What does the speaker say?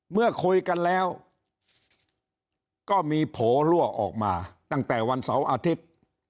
เมื่อคุยกันแล้วก็มีโผล่รั่วออกมาตั้งแต่วันเสาร์อาทิตย์